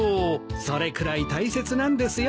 それくらい大切なんですよ